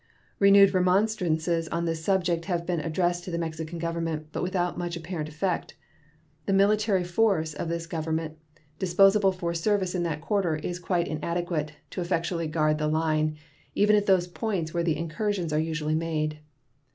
Renewed remonstrances upon this subject have been addressed to the Mexican Government, but without much apparent effect. The military force of this Government disposable for service in that quarter is quite inadequate to effectually guard the line, even at those points where the incursions are usually made.